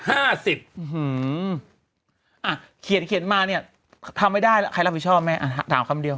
อ่าเขียนมานี่ทำไม่ได้ล่ะใครรับผีโชม่ะอ่ะถอดคำเดียว